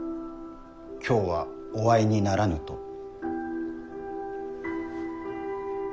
今日はお会いにならぬと。